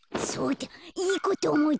いいことおもいついた。